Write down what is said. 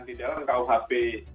di dalam kuhp